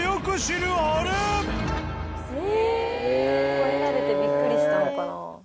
吠えられてびっくりしたのかな。